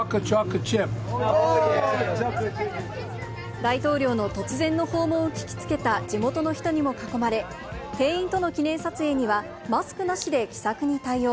大統領の突然の訪問を聞きつけた地元の人にも囲まれ、店員との記念撮影には、マスクなしで気さくに対応。